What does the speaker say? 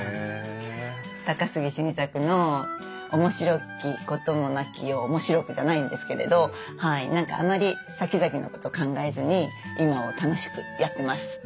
高杉晋作の「おもしろきこともなき世をおもしろく」じゃないんですけれどはい何かあんまりさきざきのこと考えずに今を楽しくやってます。